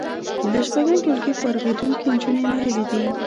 له شپږم ټولګي فارغېدونکې نجونې ناهیلې دي